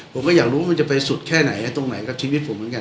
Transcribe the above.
ผมก็อยากรู้ว่ามันจะไปสุดแค่ไหนตรงไหนกับชีวิตผมเหมือนกัน